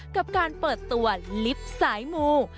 กับการเปิดตัวลิฟต์สายมู